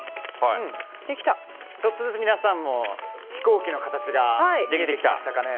ちょっとずつ皆さんも飛行機の形ができてきましたかね。